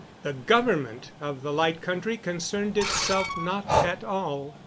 The government of the Light Country concerned itself not at all.